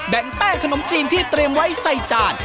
แป้งขนมจีนที่เตรียมไว้ใส่จาน